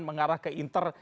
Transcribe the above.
mengarah ke inter